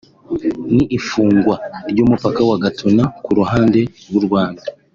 ni ifungwa ry’umupaka wa Gatuna ku ruhande rw’u Rwanda